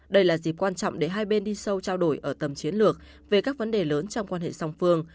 đây là dịp quan trọng để hai bên đi sâu trao đổi ở tầm chiến lược về các vấn đề lớn trong quan hệ song phương